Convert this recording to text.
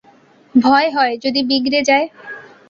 ভয় হয় যদি বিগড়ে যায়।